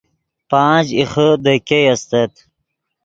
پانخ ایخے دے ګئے استت